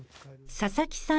佐々木さん